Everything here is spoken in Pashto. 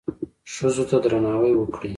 ښځو ته درناوی وکړئ